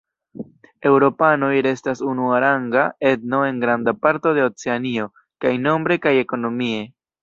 Eŭropanoj restas unuaranga etno en granda parto de Oceanio, kaj nombre kaj ekonomie.